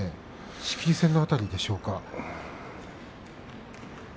仕切り線の辺りでしょうか。